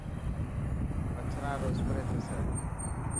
مڇران رو اسپري ٿيسي.